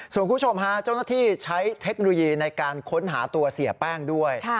ส่วนคุณผู้ชมฮะเจ้าหน้าที่ใช้เทคโนโลยีในการค้นหาตัวเสียแป้งด้วย